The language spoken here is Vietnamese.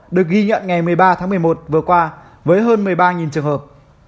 được ghi nhận ngày một mươi ba tháng một mươi một vừa qua với hơn một mươi ba trường hợp